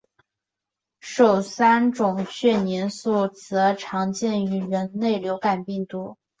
首三种血凝素则常见于人类流感病毒。